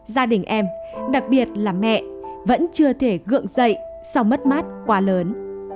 gia đình em đặc biệt là mẹ vẫn chưa thể gượng dậy sau mất mát quá lớn